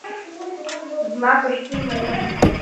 زما پښتون وطن